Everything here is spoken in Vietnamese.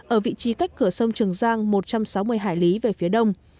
ở vị trí cách cửa sông trường giang một trăm sáu mươi hải lý về phía đông